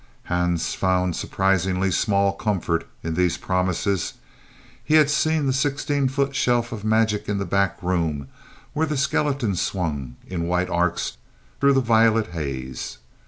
Hans found surprisingly small comfort in these promises. He had seen the sixteen foot shelf of magic in the back room where the skeletons swung in white arcs through the violet haze.